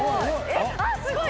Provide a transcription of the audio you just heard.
あっすごい！